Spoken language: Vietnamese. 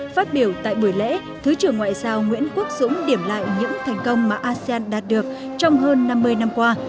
phát biểu tại buổi lễ thứ trưởng ngoại giao nguyễn quốc dũng điểm lại những thành công mà asean đạt được trong hơn năm mươi năm qua